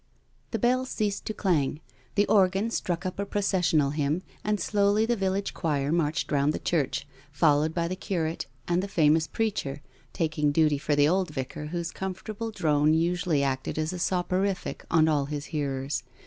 The bell ceased to clang. The organ struck up a processional hymn and slowly the village choir marched round the church, followed by the curate and the famous preacher, taking duty for the old vicar whose comfortable drone usually acted as a soporific on all bis hearers.